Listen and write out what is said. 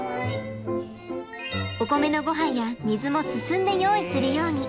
おこめのごはんや水もすすんで用意するように。